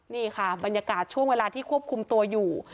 นี่ค่ะบรรยากาศช่วงเวลาที่ควบคุมตัวอยู่